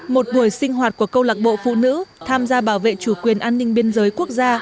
một buổi sinh hoạt của câu lạc bộ phụ nữ tham gia bảo vệ chủ quyền an ninh biên giới quốc gia